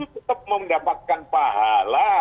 tetap mendapatkan pahala